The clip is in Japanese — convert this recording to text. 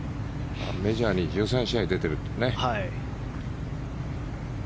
メジャーに１３試合出てるというね。